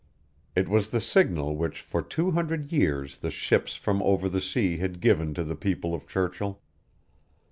It was the signal which for two hundred years the ships from over the sea had given to the people of Churchill.